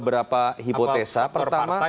kenapa kemudian prabowo tetap bertahan di banten